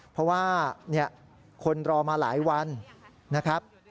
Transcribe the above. เพราะว่าคนรอมาหลายวันนะครับ